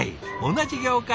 同じ業界。